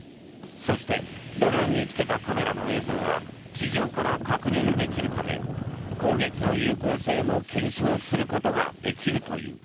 そして、ドローンにつけたカメラの映像は地上から確認できるため攻撃の有効性も検証することができるという。